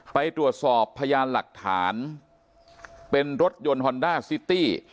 ไปตรวจสอบพยานหลักฐานเป็นรถยนต์ฮอนด้าซิตี้